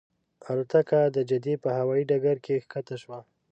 الوتکه د جدې په هوایي ډګر کې ښکته شوه.